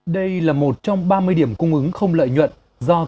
đây là một trong ba mươi điểm cung ứng không lợi nhuận do công an thành phố